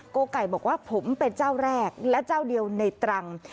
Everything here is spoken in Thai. โกไก่บอกว่าผมเป็นเจ้าแรกและเจ้าเดียวในตรัง